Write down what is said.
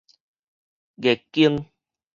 月經